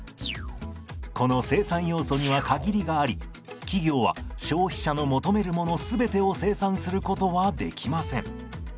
この生産要素には限りがあり企業は消費者の求めるもの全てを生産することはできません。